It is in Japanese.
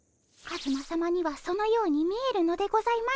カズマさまにはそのように見えるのでございましょう。